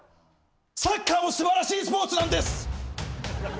サッカーもすばらしいスポーツなんです！